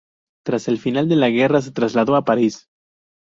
Tras el final de la guerra se trasladó a París.